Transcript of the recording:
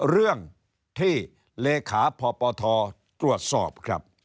เรื่องที่เลขาพปทตรวจสอบครับ